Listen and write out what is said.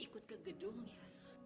ke gedung ya